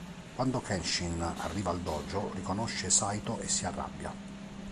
Quando Kenshin arriva al dojo, riconosce Saitō e si arrabbia.